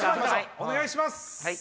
お願いします。